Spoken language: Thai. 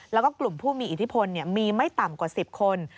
แล้วก็กลุ่มผู้มีอิทธิพลมีไม่ต่ำกว่า๑๐คน